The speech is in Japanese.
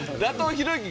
ひろゆき